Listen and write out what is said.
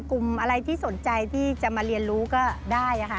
กลุ่มอะไรที่สนใจที่จะมาเรียนรู้ก็ได้ค่ะ